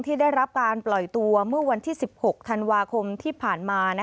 ได้รับการปล่อยตัวเมื่อวันที่๑๖ธันวาคมที่ผ่านมา